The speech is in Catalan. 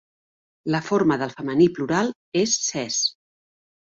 La forma del femení plural és ses.